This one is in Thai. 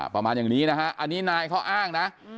ประมาณอย่างนี้นะฮะอันนี้นายเขาอ้างนะ